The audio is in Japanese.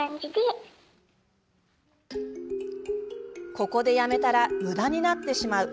ここでやめたらむだになってしまう。